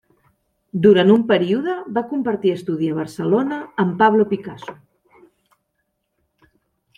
Durant un període va compartir estudi a Barcelona amb Pablo Picasso.